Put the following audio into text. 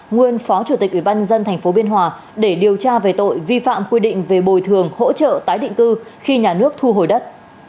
nguyên phó chủ tịch ubnd tp biên hòa để điều tra về tội vi phạm quy định về bồi thường hỗ trợ tái định cư khi nhà nước thu hồi đất